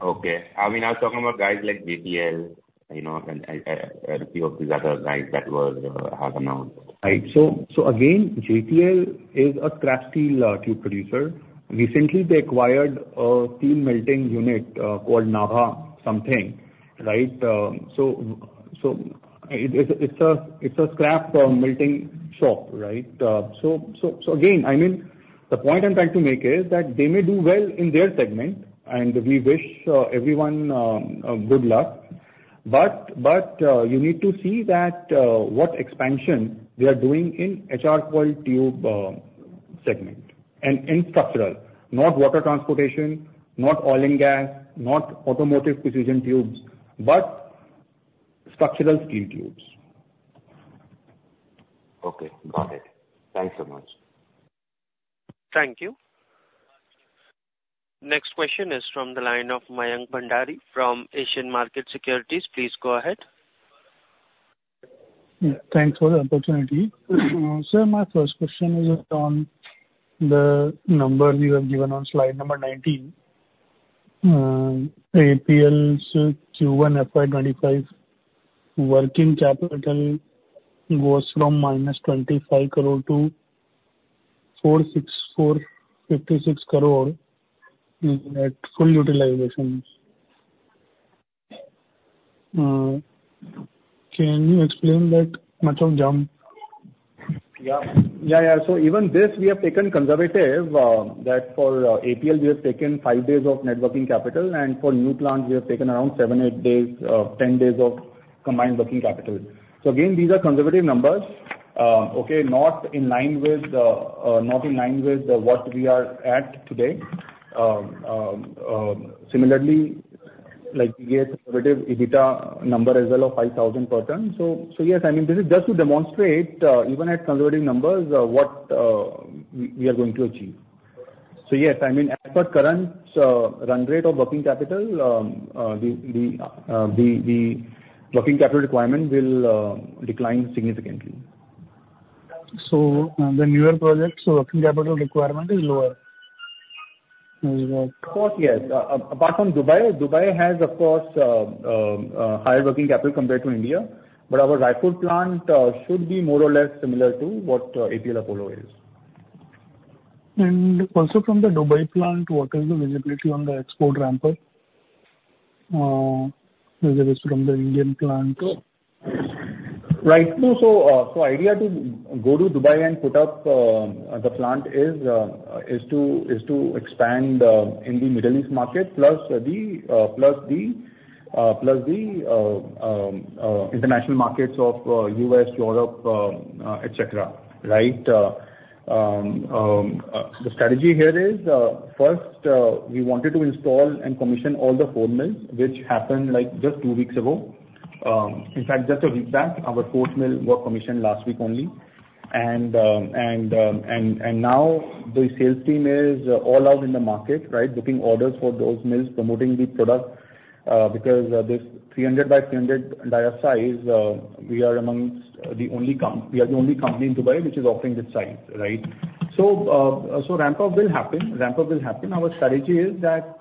Okay. I mean, I was talking about guys like JTL, you know, and a few of these other guys that were, have announced. Right. So, so again, JTL is a scrap steel tube producer. Recently, they acquired a steel melting unit called Nabha something, right? So, so again, I mean, the point I'm trying to make is that they may do well in their segment, and we wish everyone good luck. But, but you need to see that what expansion they are doing in HR coil tube segment and in structural, not water transportation, not oil and gas, not automotive precision tubes, but structural steel tubes. Okay, got it. Thanks so much. Thank you. Next question is from the line of Mayank Bhandari from Asian Markets Securities. Please go ahead. Thanks for the opportunity. Sir, my first question is on the number you have given on slide number 19. APL's Q1 FY 2025 working capital goes from -25 crore to 46,456 crore at full utilization. Can you explain that much of jump? Yeah. Yeah, yeah. So even this, we have taken conservative, that for APL, we have taken 5 days of net working capital, and for new plant, we have taken around 7, 8 days, 10 days of combined working capital. So again, these are conservative numbers, okay, not in line with, not in line with, what we are at today. Similarly, like we get relative EBITDA number as well of INR 5,000 per ton. So, so yes, I mean, this is just to demonstrate, even at conservative numbers, what we are going to achieve. So yes, I mean, as per current, run rate of working capital, the working capital requirement will decline significantly. So, the newer projects, so working capital requirement is lower? Of course, yes. Apart from Dubai, Dubai has, of course, higher working capital compared to India, but our Raipur plant should be more or less similar to what APL Apollo is. Also from the Dubai plant, what is the visibility on the export ramp-up, whether it's from the Indian plant? Right. So the idea to go to Dubai and put up the plant is to expand in the Middle East market, plus the international markets of US, Europe, et cetera, right? The strategy here is first we wanted to install and commission all the four mills, which happened like just two weeks ago. In fact, just a week back, our fourth mill was commissioned last week only. And now the sales team is all out in the market, right, booking orders for those mills, promoting the product because this 300 by 300 dia size, we are the only company in Dubai which is offering this size, right? So, ramp up will happen, ramp up will happen. Our strategy is that,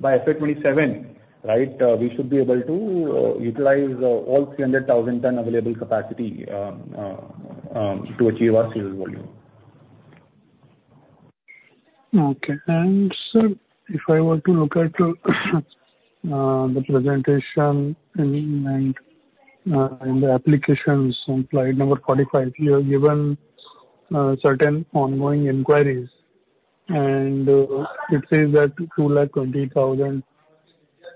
by FY 2027, right, we should be able to utilize all 300,000 ton available capacity to achieve our sales volume. Okay. And sir, if I were to look at the presentation and in the applications on slide number 45, you have given certain ongoing inquiries, and it says that 220,000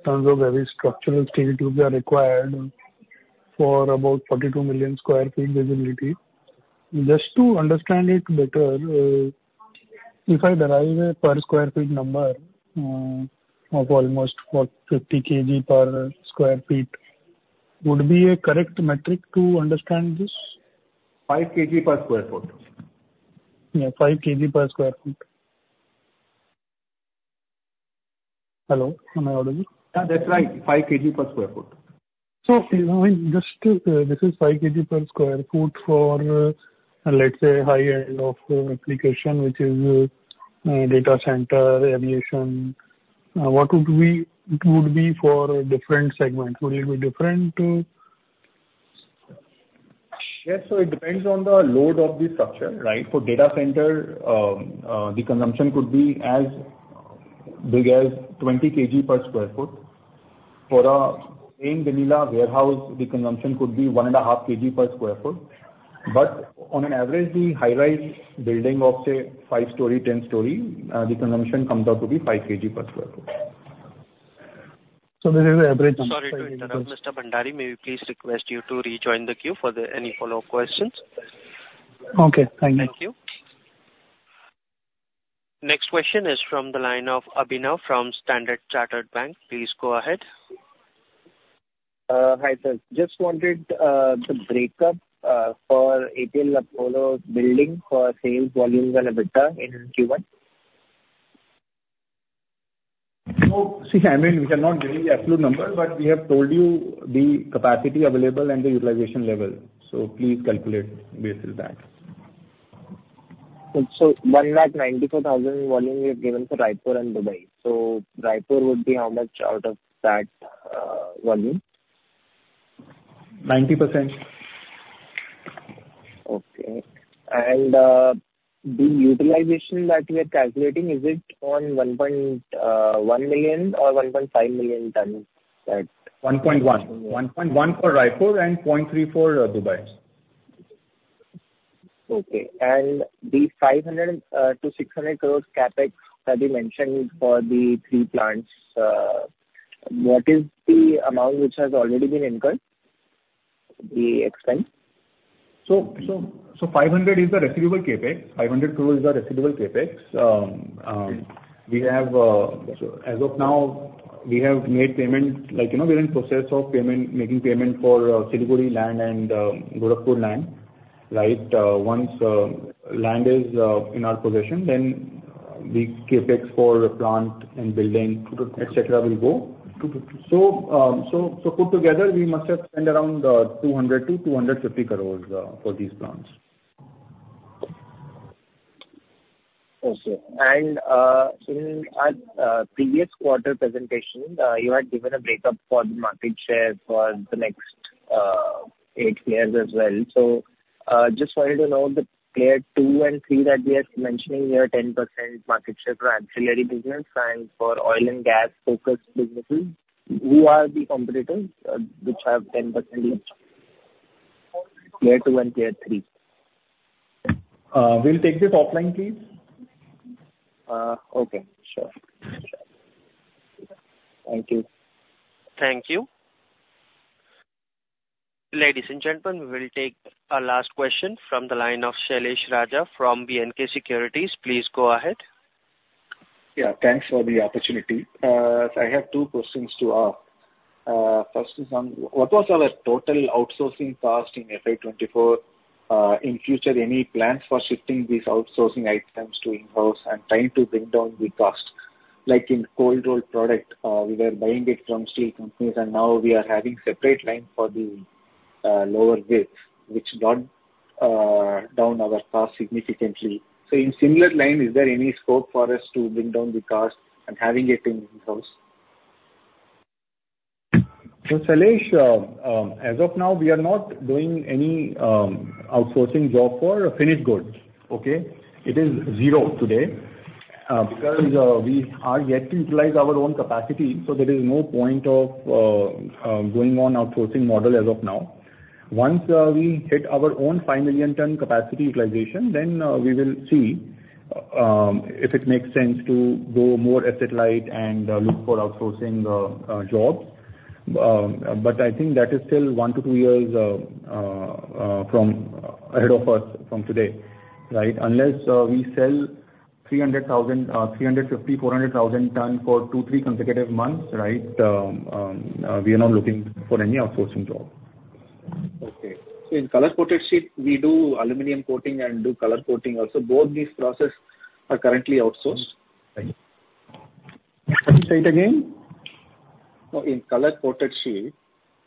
tons of heavy structural steel tubes are required for about 42 million sq ft visibility. Just to understand it better, if I derive a per sq ft number of almost, what, 50 kg per sq ft, would be a correct metric to understand this? 5 kg per sq ft. Yeah, 5 kg per sq ft. Hello, am I audible? Yeah, that's right. 5 kg per sq ft. So I mean, just to, this is 5 kg per sq ft for, let's say, high end of application, which is, data center, aviation. What would be, it would be for a different segment? Would it be different to? Yes. So it depends on the load of the structure, right? For data center, the consumption could be as big as 20 kg per sq ft. For a plain vanilla warehouse, the consumption could be 1.5 kg per sq ft. But on an average, the high-rise building of, say, 5-storey, 10-storey, the consumption comes out to be 5 kg per sq ft. This is the average- Sorry to interrupt, Mr. Bhandari. May we please request you to rejoin the queue for any follow-up questions? Okay, thank you. Thank you. Next question is from the line of Abhinav from Standard Chartered Bank. Please go ahead. Hi, sir. Just wanted the break-up for APL Apollo billing for sales volumes and EBITDA in Q1. See, I mean, we cannot give you the absolute number, but we have told you the capacity available and the utilization level, so please calculate based on that. So 194,000 volume you have given for Raipur and Dubai. So Raipur would be how much out of that volume? Ninety percent. Okay. And, the utilization that we are calculating, is it on 1.1 million or 1.5 million tons that- 1.1. 1.1 for Raipur and 0.3 for Dubai. Okay. And the 500 crore-600 crore CapEx that you mentioned for the 3 plants, what is the amount which has already been incurred, the expense? 500 is the receivable CapEx. 500 crore is the receivable CapEx. We have, as of now, we have made payment, like, you know, we're in process of payment, making payment for Siliguri land and Gorakhpur land, right? Once land is in our possession, then the CapEx for plant and building, et cetera, will go. So put together, we must have spent around 200 crore-250 crore for these plants. Okay. And, in, previous quarter presentation, you had given a break-up for the market share for the next, eight years as well. So, just wanted to know the player two and three that we are mentioning here, 10% market share for ancillary business and for oil and gas-focused businesses, who are the competitors, which have 10% each? Player two and player three. We'll take this offline, please. Okay. Sure. Sure. Thank you. Thank you. Ladies and gentlemen, we will take our last question from the line of Shailesh Raja from B&K Securities. Please go ahead. Yeah, thanks for the opportunity. I have two questions to ask. First is on what was our total outsourcing cost in FY 2024? In future, any plans for shifting these outsourcing items to in-house and trying to bring down the costs? Like in cold rolled product, we were buying it from steel companies, and now we are having separate line for the lower width, which brought down our cost significantly. So in similar line, is there any scope for us to bring down the cost and having it in-house? So, Shailesh, as of now, we are not doing any outsourcing job for finished goods, okay? It is zero today, because we are yet to utilize our own capacity, so there is no point of going on outsourcing model as of now. Once we hit our own 5 million ton capacity utilization, then we will see if it makes sense to go more asset-light and look for outsourcing jobs. But I think that is still 1-2 years from ahead of us from today, right? Unless we sell 300,000, 350, 400,000 ton for 2-3 consecutive months, right, we are not looking for any outsourcing job. Okay. In color-coated sheet, we do aluminum coating and do color coating also. Both these processes are currently outsourced, right? Sorry, say it again. In color-coated sheet,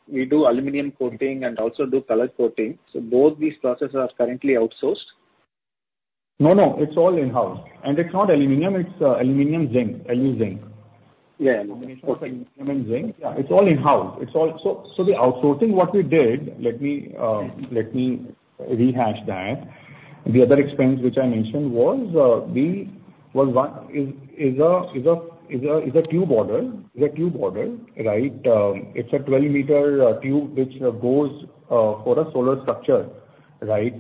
we do aluminum coating and also do color coating, so both these processes are currently outsourced? No, no, it's all in-house. And it's not aluminum, it's aluminum zinc, Aluzinc. Yeah. Aluminum zinc. Yeah, it's all in-house. It's all. So the outsourcing, what we did, let me rehash that. The other expense, which I mentioned, was the well one is a tube order. Is a tube order, right? It's a 12-meter tube, which goes for a solar structure, right?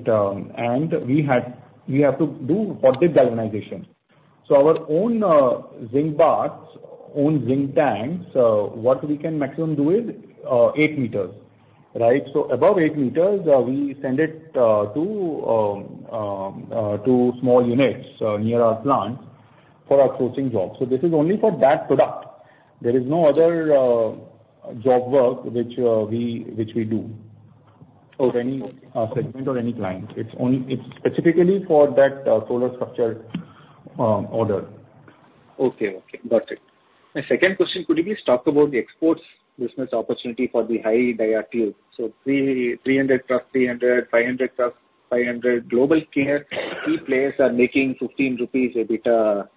And we have to do for the galvanization. So our own zinc baths, own zinc tanks, what we can maximum do is 8 meters, right? So above 8 meters, we send it to small units near our plant for outsourcing jobs. So this is only for that product. There is no other job work which we do or any segment or any client. It's only, it's specifically for that solar structure order. Okay. Okay. Got it. My second question, could you please talk about the exports business opportunity for the high dia tube? So 300 mm, 300, 500 mm, 500. Global key players are making 15 rupees EBITDA,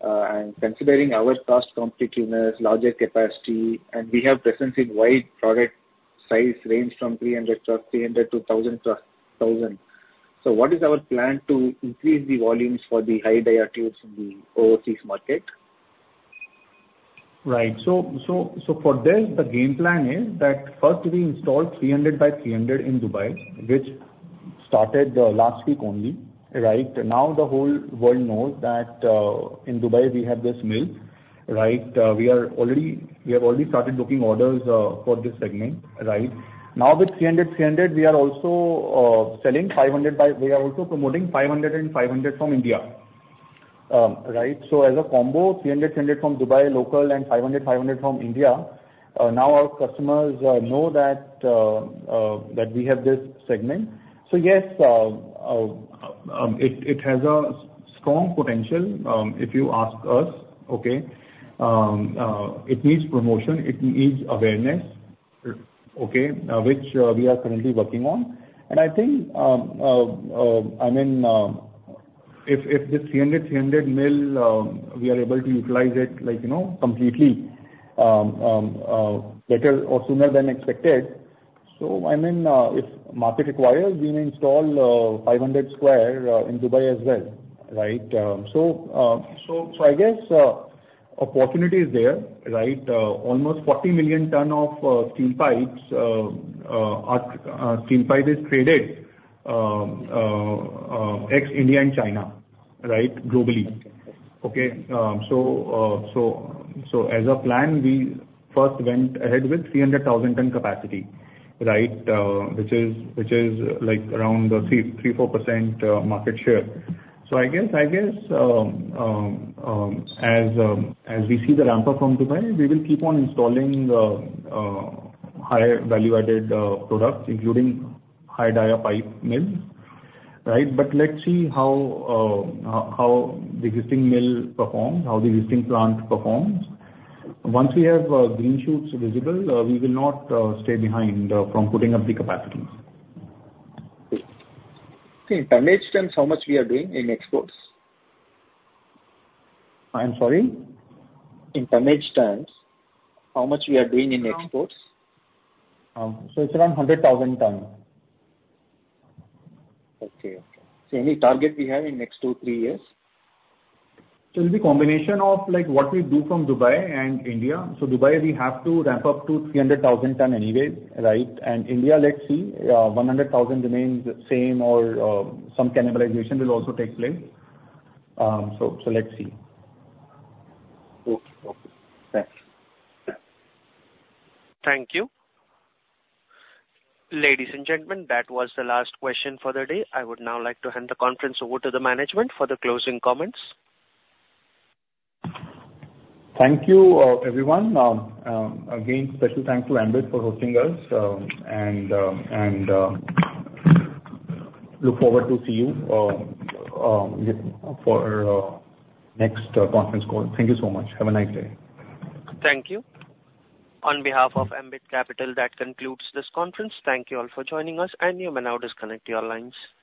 and considering our cost competitiveness, larger capacity, and we have presence in wide product size range from 300 mm, 300 to 1000 mm, 1000. So what is our plan to increase the volumes for the high dia tubes in the overseas market? Right. So for this, the game plan is that first we install 300 by 300 in Dubai, which started last week only, right? Now, the whole world knows that in Dubai, we have this mill, right? We have already started booking orders for this segment, right? Now, with 300, 300, we are also selling 500 by... We are also promoting 500 and 500 from India. Right, so as a combo, 300, 300 from Dubai, local and 500, 500 from India, now our customers know that that we have this segment. So yes, it has a strong potential, if you ask us, okay? It needs promotion, it needs awareness, okay, which we are currently working on. I think, I mean, if this 300 mill we are able to utilize it, like, you know, completely, better or sooner than expected, so I mean, if market requires, we may install 500 square in Dubai as well, right? So I guess opportunity is there, right? Almost 40 million ton of steel pipes are traded ex-India and China, right, globally. Okay? So as of plan, we first went ahead with 300,000 ton capacity, right? Which is like around 3-4% market share. So I guess, as we see the ramp up from Dubai, we will keep on installing higher value-added products, including high dia pipe mills, right? But let's see how the existing mill performs, how the existing plant performs. Once we have green shoots visible, we will not stay behind from putting up the capacities. Okay. In tonnage terms, how much we are doing in exports? I'm sorry? In tonnage terms, how much we are doing in exports? It's around 100,000 tons. Okay. Okay. So any target we have in next 2, 3 years? So it'll be combination of, like, what we do from Dubai and India. So Dubai, we have to ramp up to 300,000 ton anyway, right? And India, let's see, one hundred thousand remains the same or, some cannibalization will also take place. So, so let's see. Okay. Okay. Thanks. Thank you. Ladies and gentlemen, that was the last question for the day. I would now like to hand the conference over to the management for the closing comments. Thank you, everyone. Again, special thanks to Ambit for hosting us, and look forward to see you for next conference call. Thank you so much. Have a nice day. Thank you. On behalf of Ambit Capital, that concludes this conference. Thank you all for joining us, and you may now disconnect your lines.